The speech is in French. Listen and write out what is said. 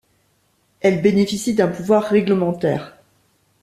Elle bénéficie d'un pouvoir réglementaire.